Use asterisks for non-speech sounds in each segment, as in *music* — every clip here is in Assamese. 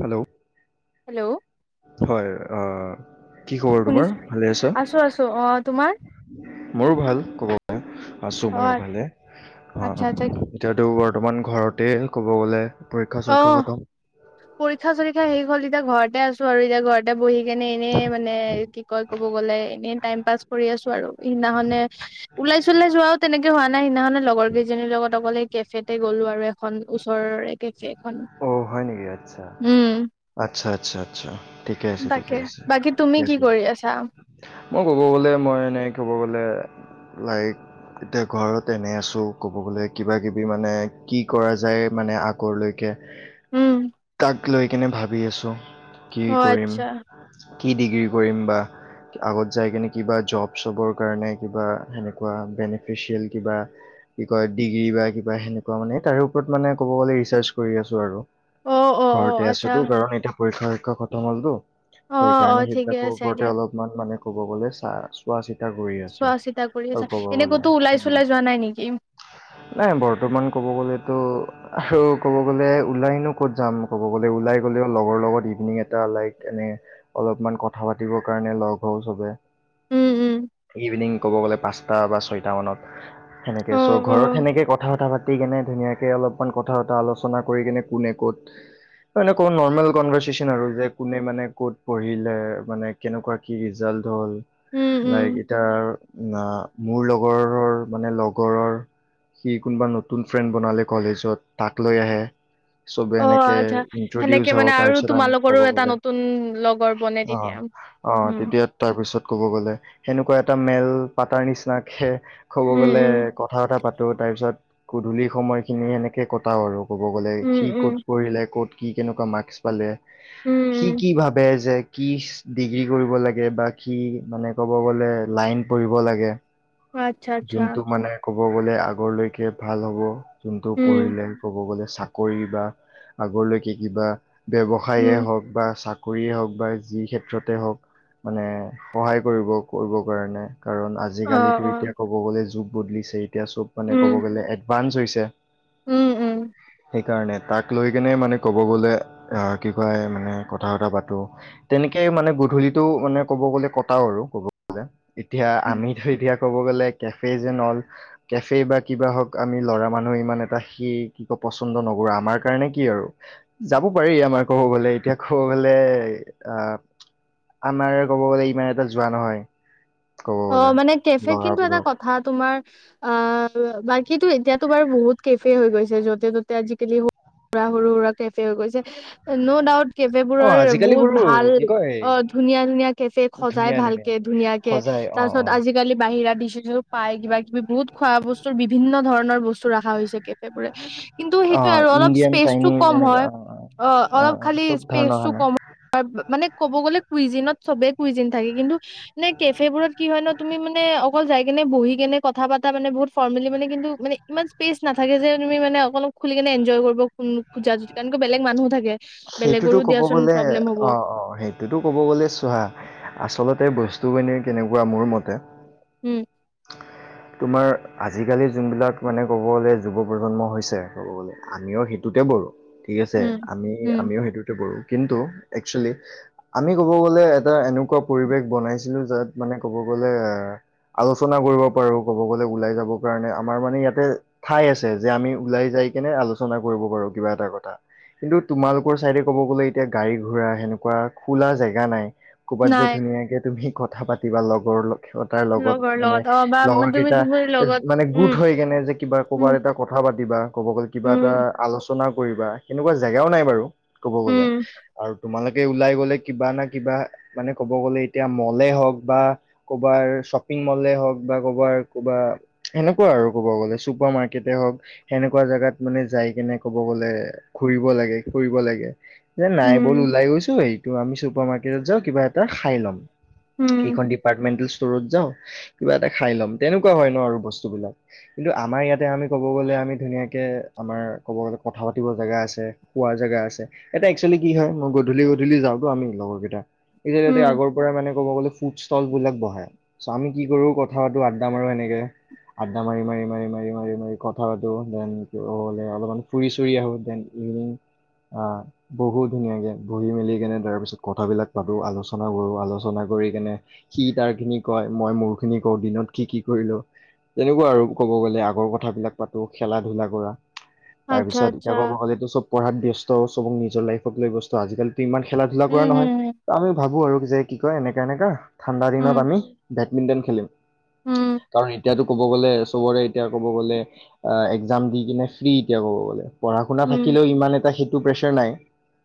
Hello hello? হয় অ কি খবৰ তোমাৰ? শুনিছো ভালে আছা? আছো আছো অ তোমাৰ মোৰো ভাল৷ কবলৈ আছো অ ময়ো ভালে৷অ আচ্ছা আচ্ছা এতিয়াতো আৰু *unintelligible* ঘৰতে ক'ব গ'লে। পৰীক্ষা চৰীক্ষা অ', খতম পৰীক্ষা চৰীক্ষা শেষ হল এতিয়া ঘৰত তে আছো আৰু এতিয়া ঘৰতে বহি কেনে এনেই মানে কি কয় কব গ'লে এনে টাইম পাছ কৰি আছো আৰু সেইদিনাখনে ওলাই চলাই যোৱাও তেনেকে হোৱা নাই সেইদিনাখনে লগৰ কেইজনীৰ লগত অকলে কেফেতে গ'লো আৰু এখন ওচৰৰে একে অ হয় নেকি আচ্ছা উম আচ্ছা আচ্ছা আচ্ছা ঠিকে আছে ঠিকে তাকে আছে বাকী তুমি কিয়া কি কিয়া কৰি আছা মই ক'ব গ'লে মই এনেই ক'ব গ'লে লাইক এতিয়া ঘৰত এনে আছোঁ ক'ব গ'লে কিব কিবি মানে কি কৰা যায় মানে আগলৈক উম কাক লৈ কিনে ভাবি আছোঁ কি অ কৰিম আচ্ছা কি ডিগ্ৰী কৰিম বা আগত যাই কিনে কিবা জব চবৰ কাৰণে কিবা সেনেকুৱা বেনিফিচিয়েল কিবা কি কয় ডিগ্ৰী বা কিবা সেনেকুৱা মানে তাৰে ওপৰত মানে ক'ব গ'লে ৰিচাৰ্চ কৰি আছো আৰু অ অ অ ঘৰতে আচ্ছা আছোতো কাৰণ এতিয়া পৰীক্ষাৰ কা খতম হলটো অ অ সেইকাৰণে ঠিকে সেইবিলাকৰ আছে ওপৰতে দিয়া অলপমান মানে ক'ব গলে, চা চোৱা চিত *unintelligible* কৰি আছো চোৱা চিতা কৰি আৰু আছা কব এনে গলে। ক'তো ওলাই চোলাই যোৱা নাই নেকি নাই বৰ্তমান কব গলেতো *unintelligible* ক'ব গ'লে ওলাইনো ক'ত যাম ক'ব গলে, ওলাই গ'লেও লগৰ লগত ইভিনিং এটা লাইক এনে, অলপমান কথা পাতিবৰ কাৰণে লগ হও চবে। উম, উম, ইভিনিং ক'ব গ'লে পাঁচটা বা ছয়টা মানত সেনেকে অ', চ', ঘৰত অ', সেনেকে কথা চথা পাতি কেনে, ধুনীয়াকে অলপমান কথা বতা অলপ এনে কোনে ক'ত, *unintelligible* মানে নৰ্মেল কণভাৰ্চেচন আৰু যে কোনে মানে কত পঢ়িলে, মানে কেনেকুৱা কি ৰিজাল্ট হল, উম, উম, লাইক ইটাৰ ন মোৰ লগৰৰ মানে লগৰৰ, সি কোনোবা নতুন ফ্ৰেণ্ড বনালে কলেজত তাক লৈ আহে চবে অ', এনেক আচ্ছা। জুদিঅ' সেনেকে যাব, মানে আৰু তাৰপিছত আমি তোমালোকৰো ক'ব এটা গ'লে, নতুন লগৰ বনে অ', তেতিয়া। অ', উম, তেতিয়া তাৰপিছত ক'ব গ'লে সেনেকুৱা এটা মেল পাতাৰ নিচিনাকে ক'ব উম, গ'লে উম, কথা-চথা পাতি ত তাৰপিছত গধূলি সময়খিনি সনেকে ক পটাও আৰু। ক'ব গ'লে উম, সি উম, ক'ত পৰিলে, ক'ত কি কেনেকুৱা মাৰ্কচ পালে? উম, সি কি উম, ভাবে? যে কি ডিগ্ৰী কৰিব লাগে? বা কি মানে ক'ব গ'লে লাইন পঢ়িব লাগে অ', আচ্ছা, আচ্ছা। যোনটো মানে ক'ব গ'লে আগলৈকে ভাল হ'ব যোনটো উম, পঢ়িলে ক'ব গ'লে চাকৰি বা আগলৈকে কিবা উম, ব্যৱসায়েই হওক বা চাক কৰিয়েই হওক বা, যি ক্ষেত্ৰতে হওক মানে সহায় কৰিব কৰিবৰ কাৰণে কাৰণ অ', আজিকালিতো অ', এতিয়া ক'ব গ'লে যুগ *unintelligible* এতিয়া চব মানে উম, ক'ব গ'লে, এডভান্স হৈছে। *unintelligible* উম উম সেইকাৰণে তাক লৈ কেনে মানে ক'ব গ'লে আহ কি কয় মানে কথা বত পাতো তেনেকে মানে গধূলিটো মানে ক'ব গলে কটাও আৰু ক'ব গলে এতিয়া উম। আমি থৈতিয়া, ক'ব গ'লে কেফে যেন অল কেফে বা কিবা হওক আমি ল'ৰা মানুহ ইমান এটা শিক কি ক পচন্দ নকৰৰা আমাৰ কাৰণে কি আৰু যাব পাৰি আমাৰ কব গলে এতিয়া ক'ব গলে আহ আমাৰ কব গলে ইমান এটা যোৱা নহয় ক'ব অ' গ'লে মানে কেফেত কিন্তু এটা ল'ৰাবোৰক কথা তোমাৰ অ বাকীতো এতিয়াতো বাৰু বহুত কেফে হৈ গৈছে য'তে ত'তে আজিকালিৰু সুৰা সৰু সুৰা কেফে হৈ গৈছে ন' ডাউট কেফে অ বোৰৰ আজিকালি বহুত বোৰো ভাল কি কয় অ' ধুনীয়া ধুনীয়া কেফে সজাই ধুনীয়া ধুনীয়া ভালকে ধুনীয়াকে সজাই অ অ আজিকালি বাহিৰাত দিছ পাই কিবা কিবি বহুত খোৱা বস্তুৰ বিভিন্ন ধৰণৰ বস্তু ৰখা হৈছেগে কিন্তু অ সেইটোয়ে আৰু অলপ ইণ্ডিয়ান স্পেচটো চাইনিজ কম এনেকা হয় অ অ' অলপ খালি চব ধৰণৰ স্পেচটো খানা কম হয় মানে ক'ব গলে কুইজিনত চবে কুইজিন থাকে কিন্তু, ন কেফেবোৰত তুমি মানে অকল যাই কেনে বহি কেনে কথা পাতা মানে বহুত ফৰ্মেলি মানে কিন্তু মানে ইমান স্পেচ নাথাকে যে তুমি মানে অলপ খুলি কেনে এনজয় কৰিব খোজা য কাৰে বেলেগ মানুহো থাকে সেইটোতো বেলেগৰো কব দিয়াচোন গলে প্ৰব্লেম হ'ব অ' অ' সেইটোতো কব গলে চোৱা আচলতে বস্তুখিনি কেনেকুৱা মোৰ মতে, উম। তোমাৰ আজিকালি যোনবিলাক মানে কব গলে যুৱ প্ৰজন্ম হৈছে কব গলে আমিও সেইটোতে ঠিক আছে উম, আমি উম, আমিও সেইটোতে কিন্তু একচুৱেলি আমি ক'ব গ'লে এটা এনেকুৱা পৰিৱেশ বনাইছিলোঁ যাত মানে ক'ব গ'লে আলোচনা কৰিব। ৰ ক'ব গ'লে ওলাই যাবৰ কাৰণে আমাৰ মানে ইয়াতে ঠাই আছে যে আমি ওলাই যাই কেনে আলোচনা কৰিব পাৰো কিবা এটা কথা কিন্তু তোমালোকৰ চাইডে ক'ব গ'লে এতিয়া গাড়ী ঘোৰা সেনেকুৱা খোলা জেগা নাই ক'ৰবাত যে নাই ধুনীয়াকে তুমি কথা পাতিবা লগৰ লগ ক্ষতাৰ লগত লগৰ মানে, অ' বা লগৰ তুমি কেইটা তোমাৰ লগত মানে গোট উম, হয় কেনে যে কিবা উম, কৰ'বাত এটা কথা পা প্ৰতিতিবা ক'ব গ'লে কিবা এটা উম, আলোচনা, ৰচনা কৰিবা সেনেকুৱা জেগাও নাই বাৰু ক'ব গ'লে উম, আৰু তোমালোকে, ওলাই গ'লে কিবা না কিবা মানে ক'ব গ'লে এতিয়া মলে হওক বা ক'বাৰ শ্বপিং মলে হওঁক বা ক'বাৰ ক'বা সেনেকুৱা আৰু ক'ব গলে চুপাৰ মাৰ্কেটে হওক সেনেকুৱা জাগাত মানে যাই কেনে ক'ব গ'লে ঘুৰিব লাগে ফুৰিব লাগে। যে নাই বল উম, ওলাই গৈছো এইটো আমি চুপাৰ মাৰ্কটতাও কিবা এ খাই ল'ম উম, এইখন ডিপাৰ্টমেণ্ট, চোৰৰত যাওঁ কিবা এটা খাই ল'ম তেনেকুৱা হয় ন আৰু বস্তুবিলাক কিন্তু আমাৰ ইয়াতে আমি কব গলে আমি ধুনীয়াকে আমাৰ কব গলে কথা পাতিব জেগা আছে খোৱাৰ জেগা আছে এতিয়া এক্চুৱেলি কি হয় মই গধূলি গধূলি যাওঁতো আমি লগৰ কেইটা এতিয়া যাতে উম, আগৰ পৰাই মানে ক'ব গ'লে ফুড ষ্টল বিলাক বঢ়ায় চাওমিন কি কৰোঁ কথা পাতো আড্ডা মাৰোঁ এনেকৈ আড্ডা মাৰি মাৰি মাৰি মাৰি মাৰি মাৰি কথা পাতো দেন ক ক'লে অলপমান ফুৰি চুৰি আহোঁ দেন ইভিনিং বহুত ধুনীয়াকৈ বহি মেলি কেনে তাৰপিছত কথাবিলাক পাতোঁ আলোচনা কৰোঁ আলোচনা কৰি কেনে সি তাৰখিনি কয় মই মোৰ খিনি কওঁ দিনত কি কি কৰিলো তেনেকুৱা আৰু ক'ব গলে আগৰ কথা বিলাক পাতো খেলা ধূলা কৰা তাৰ আচ্ছা, পিছত এতিয়া আচ্ছা, ক'ব গলেতো চব পঢ়াত ব্যস্ত চবক নিজৰ লাইফক লৈ ব্যস্ত আজিকালি ইমান খেলা ধূলা কৰা নহয় উম, ত আমি ভাবো আৰু যে কি কয় এনেকা-এনেকা ঠাণ্ডা দিনত উম, আমি বেডমিণ্টন খেলিম উম, কাৰণ এতিয়াতো ক'ব গ'লে চবৰে এতিয়া ক'ব গ'লে এক্সাম দি কিনে ফ্ৰী এতিয়া ক'ব গ'লে পঢ়া শুনা উম, থাকিলেও ইমান এটা সি তোৰ প্ৰেছাৰ নাই।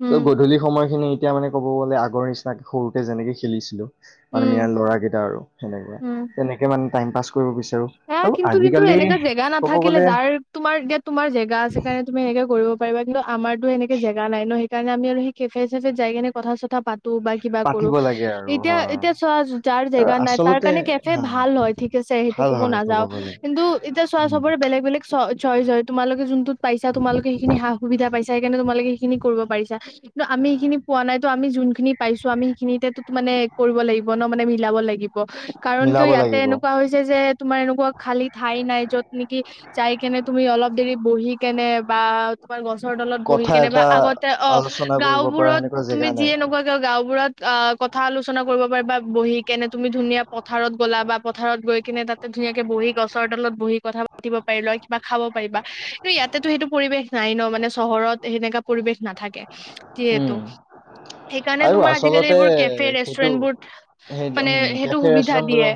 উম, চ' উম, গধূলি সময়খিনি এতিয়া মানে ক'ব গ'লে আগ নিচিনাকে সৰুতে যেনেকে খেলিছিলোঁ মানে ইয়াৰ উম, ল'ৰাকেইটা আৰু *unintelligible* তেনেকে মানে টাইম পাছ কৰিব বিচাৰো এয়া আৰু কিন্তু-কিন্তু আজিকালি এনেকুৱা জেগা ক'ব নাথাকিলে, গ'লে যাৰ তোমাৰ যে তোমাৰ জেগা আছে কাৰণে তুমি এনেকে কৰিব পাৰিবা কিন্তু আমাৰটো এনেকা জেগ নাই ন' সেই কাৰণে আমি সেই কেফে চেফে যাই কেনে কথা চথা পাত ত' বা কিবা কৰোঁ পাতিব লাগে আৰু হা এতিয়া-এতিয়া চোৱা যাৰ আৰু জেগা নাই তাৰ আচলতে কাৰণে কেফে হা ভাল হয়, ঠিক আছে সেই টো ভাল ক'ব হয় নাযাও, গ'লে কিন্তু এতিয়া চোৱা উম চবৰে বেলেগ-বেলেগ চ চইজ হয়। তোমালোকে যোনটো পাইছা তোমালোকে সেইখিনি সা সুবিধা পাইছা সেইকাৰণে তোমালোকে সেইখিনি কৰিব পাৰিছা, কিন্তু আমি সেইখিনি পোৱা নাই তো আমি যোন খিনি পাইছো, আমি সেইখিনিতেো মানে কৰিব লাগিব ন মানে মিলাব লাগি ব, কাৰণ কিয় মিলাব ইয়াতে লাগিব এনেকুৱা হৈছে যে তোমাৰ এনেকুৱা খালী ঠাই নাই যত নেকি যাই কেনে তুমি অলপ দেৰি বহি কেনে বা তোমাৰ গছৰ তলত বহি কথা কেনে বা এটা আগতে অ আলোচনা কৰিব পৰা গাওবোৰত সেনেকুৱা তুমি জেগা যি নাই এনেকুৱ কিয় গাওবোৰত অ কথা আলোচনা কৰিব পাৰি বা বহি কে এনে তুমি ধুনীয়া পথাৰত গ'লা বা পথাৰত গৈ কিনে তাত ধুনীয়াকে বহি গছৰডালত বহি কথা পাতিব পাৰি লয় বা খাব পাৰিবা কিন্তু ইয়াতেতো সেইটো পৰিবেশ নাই ন মানে চহৰত সেনেকা পৰিবেশ নাথাকে। যিহেতু, উম সেইকাৰণে আৰু তোমাৰ আজিকালি আচলতে এইবোৰ কেফে সেইটো ৰেষ্টুৰেন্ট বত সেই মানে উম সেইটো কেফে সুবিধা দিয়ে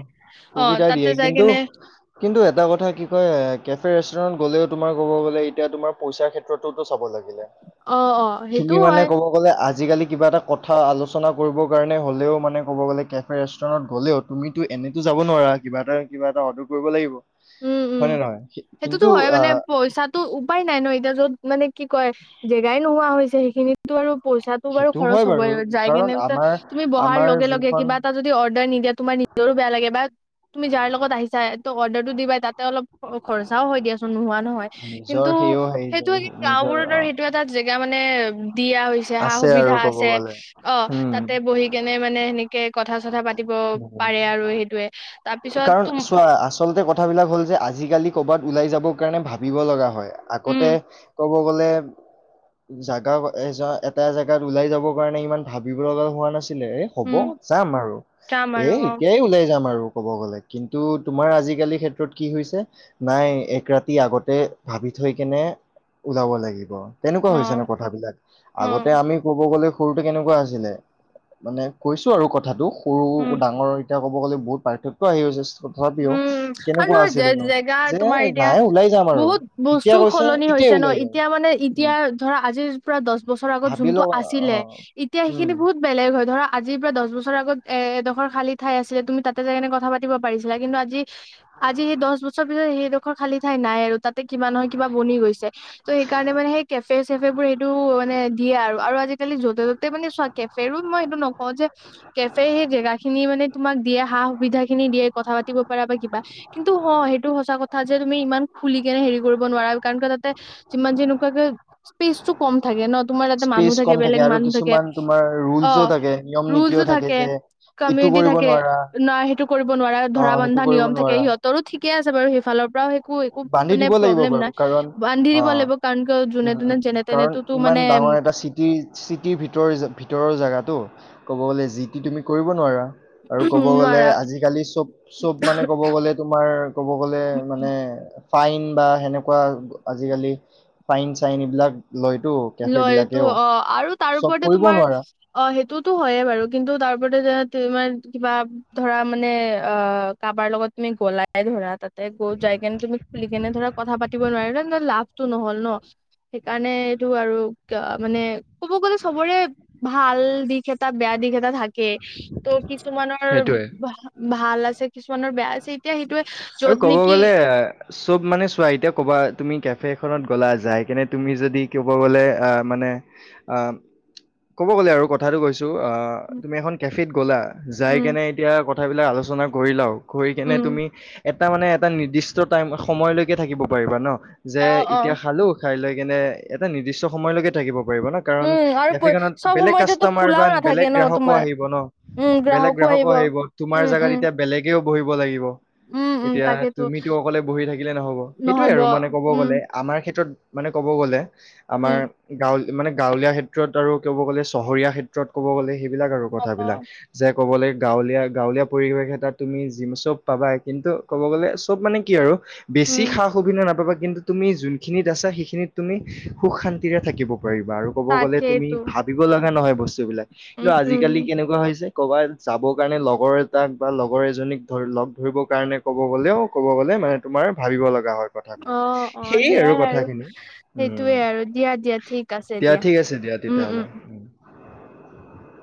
অ তাত কিন্তু-কিন্তু এটা কথা কি কয়, কেফে ৰেষ্টুৰ গ'লেও তোমাৰ ক'ব গ'লে, এতিয়া তোমাৰ পইচাৰ ক্ষেত্ৰতোটো চাব লাগ অ', অ', হেত *unintelligible* মানে ক'ব গ'লে আজ আজিকালি কিবা এটা কথা আলোচনা কৰিবৰ কাৰণে হলেও মানে ক'ব গ'লে, কেফে ৰেষ্টুৰেণ্টত গ'লেওঁ তুমিতো এনেতো যাব নোৱাৰা, কিবা এটা কিবা এটা অৰ্ডাৰ কৰিব লাগিব, উম হয় উম নে নহয়? সে- সেইটোতো কিন্তু হয় মানে, আহ পইচাটো উপায় নাই ন' এতিয়া য'ত মানে কি কয়, জেগাই নোহোৱা হৈছে হি খিনিতো আৰু পইচাটো বাৰু সেইটো খৰচ হয় বাৰু হবই, যায় কাৰণ কেনে, *unintelligible* আমাৰ তুমি বহাৰ আমাৰ লগে লগে যোনখন কিবা এটা যদি অৰ্ডাৰ নিদিয়া তোমাৰ নিজৰো বেয়া লাগে বা তুমি যাৰ লগত আহিছা, ত', অৰ্ডাৰটো দিবাই তাতে অলপ খৰচাওঁ হয় দিয়াচোন নোহোৱা নহয়, নিজৰ কিন্তু সেও হেৰি সেইটো কি গাওঁ নিজৰ বোৰত অ আৰু সেইটো এটা জেগা মানে দিয়া হৈছে। সা আছে আৰু সুবিধা ক'ব আছে, গ'লে অ', তাতে উম, বহি কেনে মানে সেনে *unintelligible* কথা চথা পাতিব উম। পাৰে আৰু সেইটোয়ে, তাৰপিছত কাৰণ তম চোৱা আচলতে কথাবিলাক হ'ল যে আজিকালি কৰ'বাত ওলাই যাবৰ কাৰণে ভাবিব লগা হয়। উম আগতে ক'ব গ'লে, জাগা এ এটা জেগাত ওলাই যাবৰ কাৰণে ইমান ভাবিব লগা হোৱা নাছি *unintelligible* এ হ'ব উম যাম আৰু যাম এ, আৰু অ এতিয়াই ওলাই যাম আ আৰু ক'ব গ'লে, কিন্তু তোমাৰ আজিকালি ক্ষেত্ৰত কি হৈছে, নাই এক ৰাতি আগতে ভাবি থৈ কেনে ওলাব লাগিব। তেনেকুৱা অ হৈছে ন, কথাবিলাক অ আগতে আমি ক'ব গ'লে সৰুতে কেনেকুৱা আছিলে? মানে কৈছ চো, আৰু কথাটো। সৰুকো, উম ডাঙৰ এতিয়া ক'ব গ'লে বহুত পাৰ্থক্য আহি গৈছে তথাপিও উম, আৰু কেনেকুৱা নহয় আছিলে নো জে-জেগা যে তোমাৰ এতিয়া নাই ওলাই যাম আৰু বহুত এতিয়া বস্তু কৈছে সলনি এতিয়াই হৈছে ন? ওলাই যাম এতিয়া মানে এতিয়া উম ধৰা আজি প্ৰা, দচ বছৰ আগত ভাবি যোনটো লও অ আছিলে, এতিয়া উম সেইখিনি বহুত বেলেগ হয়, ধৰা আজিৰ পৰা দচ বছৰৰ আগত এ-এডখৰ খালী ঠাই আছিলে, তুমি তাতে যায় কেনে কথা পাতিব পাৰি *unintelligible* কিন্তু আজি আজি সেই দচ বছৰ পিছত সেই ডোখৰ খালী ঠাই নাই আৰু তাত তে, কিবা নহয় কিবা বনি গৈছে, ত' সেইকাৰণে মানে সেইকাৰণে কেফে চেফে বোৰ সেইটো মানে দিয়ে আৰু, আৰু আজি কালি য'তে ত'তে মানে চোৱা কেফ বেৰোদ মই এইটো নকওঁ যে, কেফে সেই জেগা খিনি মানে তোমাক দিয়ে সা সুবিধা খিনি দিয়ে। কথা পাতিব পাৰা বা কিবা, কিন্তু হ সেইটো সচা কথা যে তুমি ইমান খুলি কেনে হেৰি কৰিব নোৱাৰা, কাৰন কিয় তাতে যিমান যেনেকুৱাকে স্পেচটো কম থাকে ন। তোমাৰ তাতে মানুহ স্পেচ থাকে কম বেলেগ আৰু মানুহ থাকে, কিছুমান তোমাৰ ৰুলচো অ' থাকে নিয়ম নীতিও ৰুলছটো থাকে, যে ইটো কমিউনিটি কৰিব থাকে নোৱাৰা ন সেইটো কৰিব নোৱাৰা অ ধৰা সেইটো বান্ধা কৰিব নিয়ম থাকে নোৱাৰা সিহঁতৰো ঠিকে আছে বাৰু সেইফালৰ পৰাও একো একো বান্ধি মানে দিব লাগিব প্ৰব্লেম বাৰু নাই কাৰণ বান্ধি দিব অ লাগিব কাৰণ কিয় যোনে উম তোনে উম যেনে কাৰণ তেনেতোতো ইমান মানে ডাঙৰ এটা চিটিৰ চিটিৰ ভিতৰৰ ভিতৰৰ জেগাটো। ক'ব গ'লে যি টি তুমি কৰিব নোৱাৰা। আৰু ক'ব গ'লে নোৱাৰা আজিকালি চব চব মানে, ক'ব গ'লে তোমাৰ ক'ব গ'লে মানে ফাইন বা হেনেকুৱা আজিকালি, ফাইন চাইন এইবিলাক লয়তো। কেফে লয় তটো বিলাকেও অ' আৰু তাৰ চব ওপৰতে কৰিব তোমাৰ, নোৱাৰা অ' সেইটোতো হয়য়ে বাৰু কিন্তু তাৰ ওপৰতে যে তোমাৰ কিবা ধৰা মানে অ' কাৰবাৰ লগত তুমি গলাই ধৰা তাত ত গৈ যাই কিনে তুমি খুলি কেনে ধৰা কথা পাতি নোৱাৰিলা ন লাভ নহল ন, সেইকাৰণে টো আৰু ক মানে ক'ব গ'লে চবৰে, ভাল দিশ এটা বেয়া দিশ এটা থাকে। ত' কিছুমানৰ সেইটোয়ে ভাল আছে কিছুমানৰ বেয়া আ আৰু ক'ব গ'লে চব মানে চোৱা এতিয়া ক'বাত তুমি কেফেখনত গলা যায় কেনে তুমি যদি ক'ব গ'লে আহ মানে ক'ব গ'লে আৰু কথাটো কৈছোঁ। তু অ, উম তুমি এখন কেফে গ'লা যায় কেনে এতিয়া *inaudible* কথাবিলাক আলোচনা কৰিলাও। কৰি কেনে উম তুমি এটা মানে এটা নিৰ্দিষ্ট টাইম সময়লৈকে থাকিব পাৰিবা ন? যে অ অ এতিয়া খালোঁ খাইলৈ কেনে এটা নিৰ্দিষ্ট সময়লৈকে থাকিব। কৰিব ন কাৰণ উম আৰু প- কেফেখনত চব বেলেগ সময়তেতো কাষ্টমাৰ বা খোলাও নাথাকে বেলেগ ন গ্ৰাহকো তোমাৰ আহিব ন' বেলেগ গ্ৰাহকো আহিব তোমাৰ উম জোগাত উম এতিয়া বেলেগেও বহিব লাগিব। উম উম এতিয়া তাকেতো তুমিতো অকলে বহি থাকিলে নহ'ব সেইটোয়ে নহ'ব আৰু মানে ক'ব উম গ'লে আমাৰ ক্ষেত্ৰত মানে ক'ব গ'লে আমাৰ উম গাঁৱল মানে গাঁৱলীয়া *inaudible* ক্ষেত্ৰ আৰু ক'ব গ'লে চহৰীয়া ক্ষেত্ৰত ক'ব গ'লে সে বিলাক আৰু অ অ কথাবিলাক যে ক'বলে গাঁৱলীয়া গাঁৱলীয়া পৰিৱেশ এটা তুমি যি চব পাবা, কিন্তু ক'ব গ'লে চব মানে কি আৰু বেছি উম সা-সুবিধা নাপাবা। কিন্তু তুমি যোনখিনিত আছা, সেইখিনিত তুমি সুখ-শান্তিৰে থাকিব পাৰিবা আৰু ক'ব গ'লে তাকেইতো ভাবিব লগা নহয় বস্তু বিলাক উম কিন্তু উম আজিকালি কেনেকুৱা হয় ক'বাত যাবৰ কাৰণে লগৰ এটাক বা লগৰ এজনীকৰি লগ ধৰিবৰ কাৰণে ক'ব গ'লেও ক'ব গ'লে মানে তোমাৰ ভাবিব লগা হয়। অ কথাবিলাক। অ সেইয়ে সেইয়াই আৰু কথাখিনি উম, সেইটোৱে আৰু দিয়া দিয়া ঠিক আছে দিয়া। ঠিক আছে দিয়া তেতিয়াহলে উম।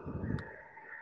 *unintelligible*